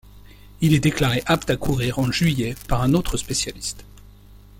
Il est déclaré apte à courir en juillet par un autre spécialiste.